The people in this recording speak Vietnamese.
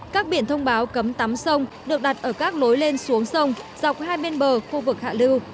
các biển thông báo cấm tắm sông được đặt ở các lối lên xuống sông dọc hai bên bờ khu vực hạ lưu